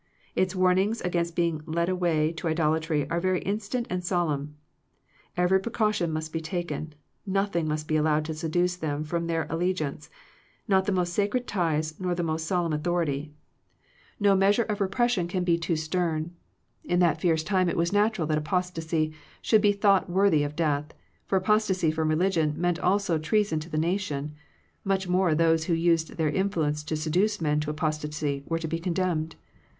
Its warn ings against being led away to idolatry are very instant and solemn. Every pre caution must be taken; nothing must be allowed to seduce them from their al legiance, not the most sacred ties, not the most solemn authority. No measure 196 Digitized by VjOOQIC THE LIMITS OF FRIENDSHIP of repression can be too stem. In that fierce time it was natural that apostasy should be thought worthy of death; for apostasy from religion meant also treason to the nation: much more those who used their influence to seduce men to apostasy were to be condemned.